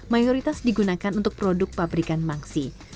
mayoritas digunakan untuk produk pabrikan mangsi